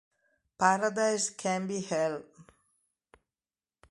Paradise can be hell.